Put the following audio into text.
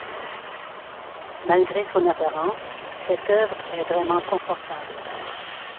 Malgré son apparence, cette œuvre est vraiment confortable.